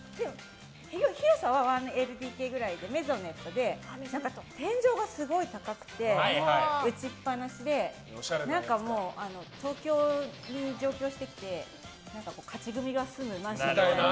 広さは１ＬＤＫくらいでメゾネットで天井がすごい高くて打ちっぱなしで東京に上京してきて勝ち組が住むマンションみたいな。